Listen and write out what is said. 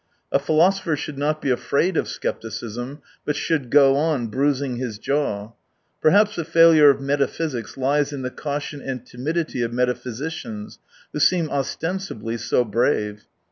A philosopher should not be afraid of scepticism, but should go on bruising his jaw. Perhaps the failure of metaphysics lies in the caution and timidity of metaphysicians, who seem ostensibly so brave.